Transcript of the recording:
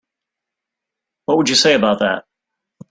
What would you say about that?